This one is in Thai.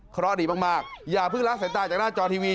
เพราะดีมากอย่าพึ่งรักใส่ตายจากหน้าจอทีวี